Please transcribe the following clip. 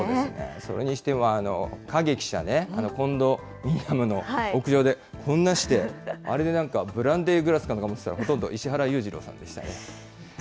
それにしても、影記者ね、コンドミニアムの屋上で、こんなして、あれでなんかブランデーグラスなんか持ってたら、ほとんど石原ゆうじろうさんでしたね。